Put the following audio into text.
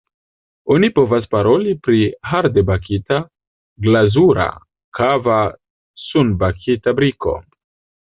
Oni povas paroli pri hardebakita, glazura, kava, sunbakita briko.